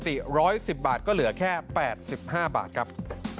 โทษภาพชาวนี้ก็จะได้ราคาใหม่